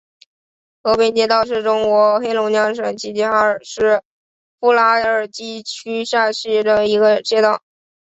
和平街道是中国黑龙江省齐齐哈尔市富拉尔基区下辖的一个街道。